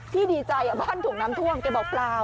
ดีใจบ้านถูกน้ำท่วมแกบอกเปล่า